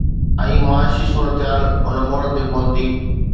۽ معاشي صورتحال ان موڙ تي پهتي